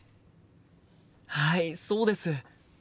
はいそうです。